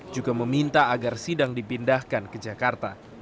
juga meminta agar sidang dipindahkan ke jakarta